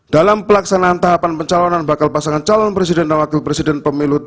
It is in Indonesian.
dalam pelaksanaan tahapan pencalonan bakal pasangan calon presiden dan wakil presiden pemilu dua ribu sembilan belas